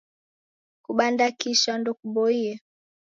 Kubanda kisha ndokuboie.